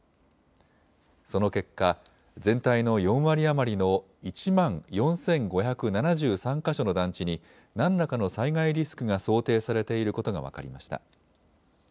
その結果、全体の４割余りの１万４５７３か所の団地に何らかの災害リスクが想定されていることが分かりました。